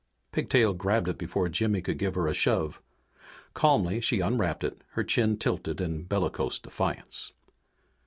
Pigtail grabbed it before Jimmy could give her a shove. Calmly she unwrapped it, her chin tilted in bellicose defiance.